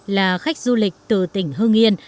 là khách du lịch từ tỉnh hưng yên